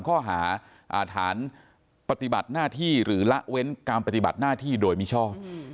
ข้อหาฐานปฏิบัติหน้าที่หรือละเว้นการปฏิบัติหน้าที่โดยมิชอบ